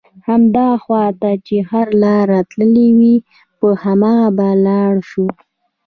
هماغه خواته چې هره لاره تللې وي پر هماغه به لاړ شو.